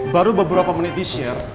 baru beberapa menit di share